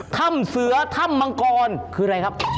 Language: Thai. ถ้ำเสือถ้ำมังกรคืออะไรครับ